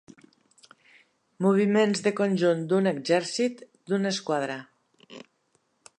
Moviments de conjunt d'un exèrcit, d'una esquadra.